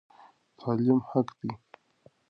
تعلیم حق دی.